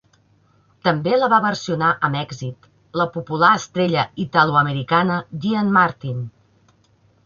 També la va versionar amb èxit la popular estrella italoamericana Dean Martin